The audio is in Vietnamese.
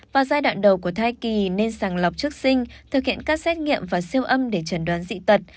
vào giai đoạn đầu của thai kỳ nên sàng lọc chức sinh thực hiện các xét nghiệm và siêu âm để chấn đoán dị tật